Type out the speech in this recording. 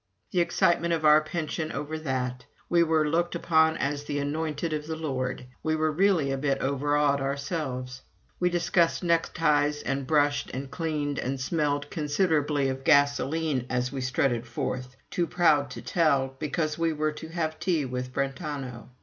The excitement of our pension over that! We were looked upon as the anointed of the Lord. We were really a bit overawed, ourselves. We discussed neckties, and brushed and cleaned, and smelled considerably of gasoline as we strutted forth, too proud to tell, because we were to have tea with Brentano!